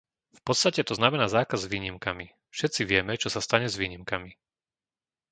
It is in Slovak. V podstate to znamená zákaz s výnimkami. Všetci vieme, čo sa stane s výnimkami.